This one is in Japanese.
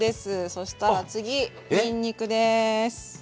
そしたら次にんにくです。